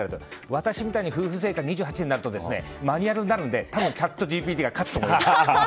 私みたいに夫婦生活２８年になるとマニュアルになるのでチャットＧＰＴが勝つと思います。